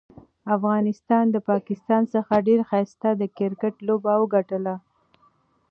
افغانستان ده پاکستان څخه ډيره ښايسته د کرکټ لوبه وګټله.